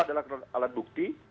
adalah alat bukti